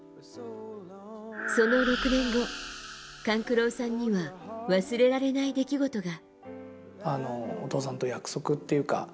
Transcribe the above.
その６年後、勘九郎さんには忘れられない出来事が。